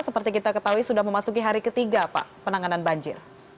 seperti kita ketahui sudah memasuki hari ketiga pak penanganan banjir